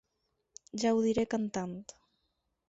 Ja ho diré cantant.